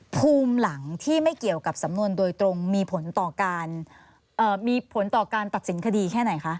ภูมิหลังที่ไม่เกี่ยวกับสำนวนโดยตรงมีผลต่อการมีผลต่อการตัดสินคดีแค่ไหนคะ